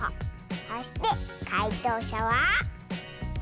そしてかいとうしゃは。